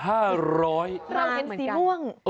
เราเห็นสีม่วง